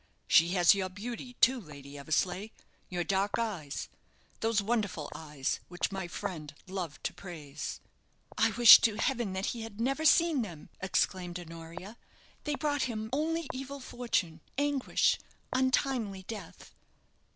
She has your beauty, too, Lady Eversleigh, your dark eyes those wonderful eyes, which my friend loved to praise." "I wish to heaven that he had never seen them!" exclaimed Honoria; "they brought him only evil fortune anguish untimely death."